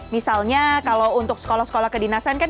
misalnya kalau untuk sekolah sekolah kedinasan kan